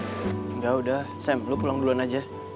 enggak udah sam lo pulang duluan aja